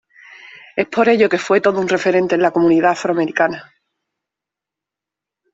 Es por ello que fue todo un referente en la comunidad afroamericana.